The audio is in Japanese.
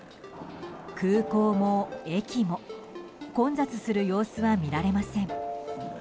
空港も、駅も混雑する様子は見られません。